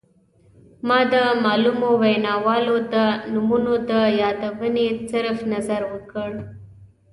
ما د معلومو ویناوالو د نومونو له یادونې صرف نظر وکړ.